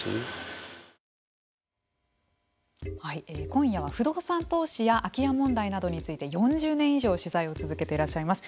今夜は不動産投資や空き家問題に関して４０年以上取材を続けてなさいます